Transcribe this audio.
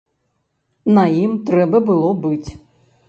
На ім трэба было быць.